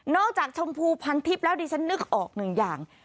ชมพูพันทิพย์แล้วดิฉันนึกออกหนึ่งอย่าง